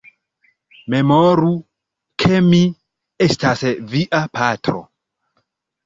Memoru, ke mi estas via patro!